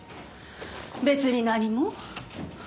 別に何も。